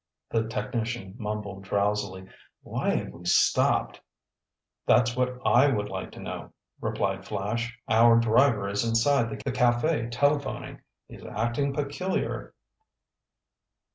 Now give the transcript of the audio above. the technician mumbled drowsily. "Why have we stopped?" "That's what I would like to know," replied Flash. "Our driver is inside the café telephoning. He's acting peculiar."